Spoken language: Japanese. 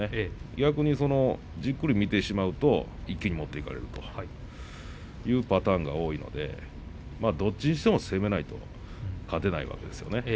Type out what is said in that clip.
逆にじっくり見てしまうと一気に持っていかれるというパターンが多いのでどっちにしても攻めないと勝てないわけですよね。